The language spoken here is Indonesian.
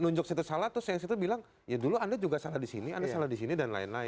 nunjuk satu salah terus yang situ bilang ya dulu anda juga salah di sini anda salah di sini dan lain lain